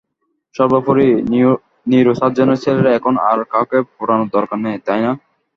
সর্বোপরি, নিউরোসার্জনের ছেলের এখন আর কাউকে পটানোর দরকার নেই, তাই না?